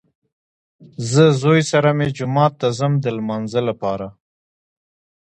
زه زوی سره مې جومات ته ځم د لمانځه لپاره